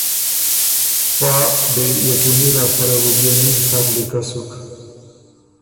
پا بې یقیني لاسته ره بُو بيې نیم سر لیکۀ سُک